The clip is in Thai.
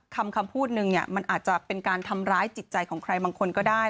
คำพูดนึงเนี่ยมันอาจจะเป็นการทำร้ายจิตใจของใครบางคนก็ได้